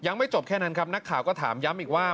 ยังไม่จบแค่นั้นครับนักข่าวก็ถามย้ำอีกว่า